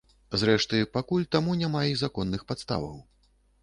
Зрэшты, пакуль таму няма й законных падставаў.